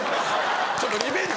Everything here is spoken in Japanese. ちょっとリベンジ